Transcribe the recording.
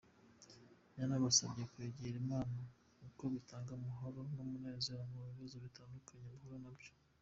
Yanabasabye kwegera Imana kuko bitanga amahoro n’umunezero mu bibazo bitandukanye bahura na byo.